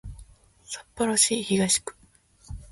札幌市東区